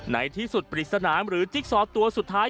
ในที่สุดปริศนาหรือจิ๊กซอตัวสุดท้าย